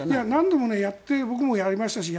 何度も僕もやりました